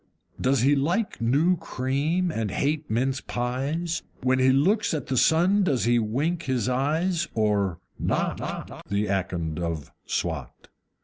Does he like new cream, and hate mince pies? When he looks at the sun does he wink his eyes, or NOT, The Akond of Swat?